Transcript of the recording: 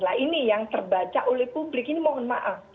nah ini yang terbaca oleh publik ini mohon maaf